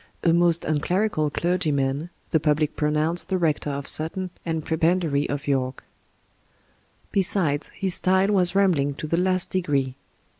"A most un clerical clerg3rman," the public pronoimced the rector of Sutton and prebendary of York. Besides, his style was rambling to the last degree.